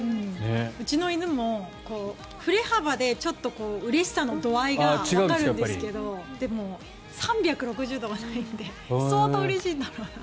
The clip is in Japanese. うちの犬も振れ幅でうれしさの度合いがわかるんですがでも、３６０度はないので相当うれしいんだろうなと。